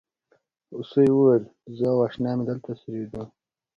هوسۍ وویل زه او اشنا مې دلته څریدو.